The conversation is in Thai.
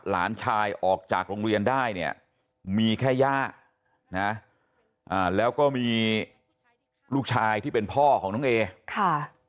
หลานชายออกจากโรงเรียนได้เนี่ยมีแค่ย่านะแล้วก็มีลูกชายที่เป็นพ่อของน้องเอค่ะ